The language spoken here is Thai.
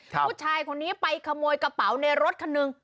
ผู้ชายคนนี้ไปขโมยกระเป๋าในรถคันหนึ่ง